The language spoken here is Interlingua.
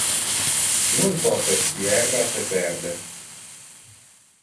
Non totes qui erra se perde.